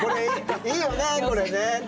いいよねこれねって。